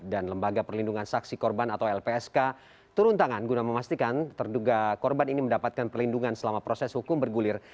dan lembaga perlindungan saksi korban atau lpsk turun tangan guna memastikan terduga korban ini mendapatkan perlindungan selama proses hukum bergulir